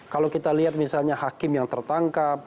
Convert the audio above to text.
kalau kita lihat misalnya hakim yang tertangkap